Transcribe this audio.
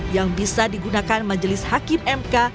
yang bisa digunakan majelis hakim mk